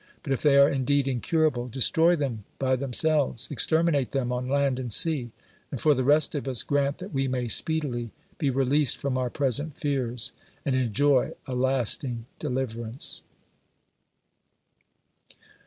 But if they are indeed incurable, destroy them by themselves; exterminate them on land and sea ; and for the rest of us, grant that we may speedily be released from our present fears, and enjoy a lasting de liverance